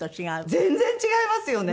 全然違いますよね！